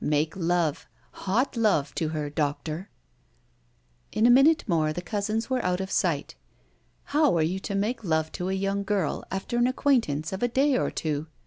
"Make love hot love to her, doctor!" In a minute more the cousins were out of sight. How are you to make love to a young girl, after an acquaintance of a day or two?